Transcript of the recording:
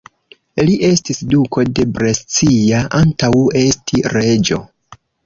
Li estis duko de Brescia antaŭ esti reĝo.